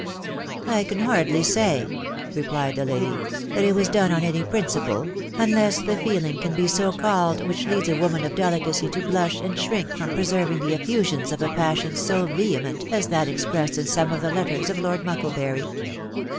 '*" I can hardly say/' replied the lady, cc that it was done <m any principle, unless the feeling can be so called which leads a woman of delicacy to blush and shrink from preserving the effusions of a passion so vehement as that expressed in some of the letters of Lord Mucklebury."